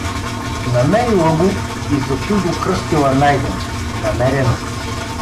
Намерила го и затуй го кръстили Найден — намерено.